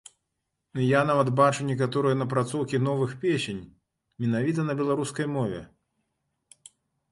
Я нават бачу некаторыя напрацоўкі новых песень менавіта на беларускай мове.